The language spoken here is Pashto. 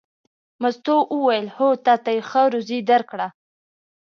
مستو وویل: هو تا ته یې ښه روزي درکړه.